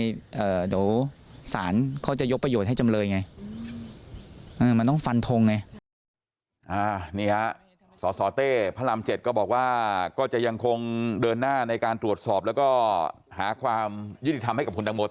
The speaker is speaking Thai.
เดี๋ยวสารเขาจะยกประโยชน์ให้จำเลยไงมันต้องฟันทงไง